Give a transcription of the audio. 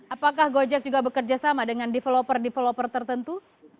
apakah gojek juga bekerja sama dengan developer developer tertentu